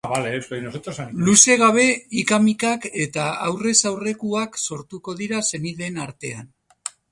Luze gabe, ika-mikak eta aurrez-aurrekoak sortuko dira senideen artean.